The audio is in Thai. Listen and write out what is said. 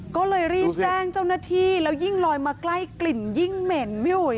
ก็เลยรีบแจ้งเจ้าหน้าที่แล้วยิ่งลอยมาใกล้กลิ่นยิ่งเหม็นพี่อุ๋ย